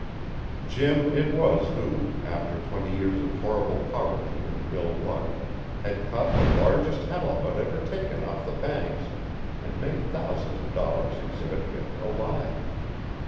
Jim it was who, after twenty years of horrible poverty and ill luck, had caught the largest halibut ever taken off the Banks and made thousands of dollars exhibiting it alive.